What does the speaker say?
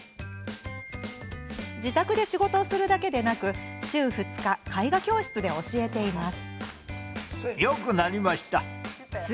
自宅で仕事をするだけでなく週２日、絵画教室で教えています。